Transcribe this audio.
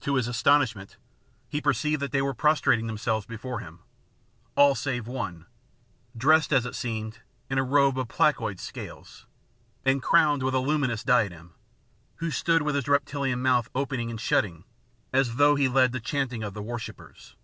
To his astonishment, he perceived that they were prostrating themselves before him, all save one, dressed as it seemed in a robe of placoid scales, and crowned with a luminous diadem, who stood with his reptilian mouth opening and shutting, as though he led the chanting of the worshippers.